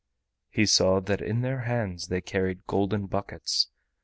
He saw that in their hands they carried golden buckets.